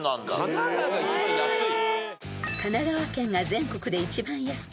神奈川が一番安い？